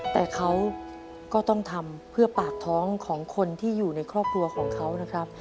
แต่เขาก็ต้องทำเพื่อปากท้องของคนที่อยู่ในครอบครัวของเขานะครับ